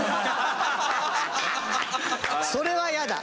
それは嫌だ。